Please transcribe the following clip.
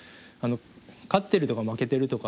勝ってるとか負けてるとか